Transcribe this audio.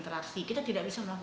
seperti kita tidak bisa berinteraksi